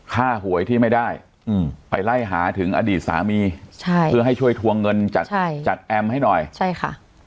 หวยที่ไม่ได้อืมไปไล่หาถึงอดีตสามีใช่เพื่อให้ช่วยทวงเงินจากจัดแอมให้หน่อยใช่ค่ะ